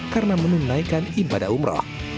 karena menunaikan ibadah umroh